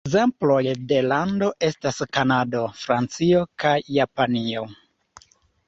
Ekzemploj de lando estas Kanado, Francio, kaj Japanio.